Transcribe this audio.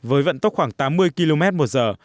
với vận tốc khoảng tám mươi km một giờ